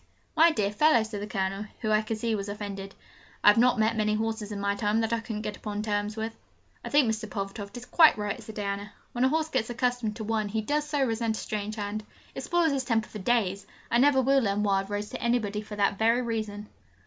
'My dear fellow!' said the Colonel, who I could see was offended, 'I've not met many horses in my time that I couldn't get upon terms with.' 'I think Mr. Pulvertoft is quite right,' said Diana. 'When a horse gets accustomed to one he does so resent a strange hand: it spoils his temper for days. I never will lend Wild Rose to anybody for that very reason!'